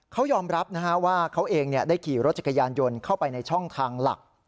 เขายอมรับว่าเขาเองได้ขี่รถจักรยานยนต์เข้าไปในช่องทางหลัก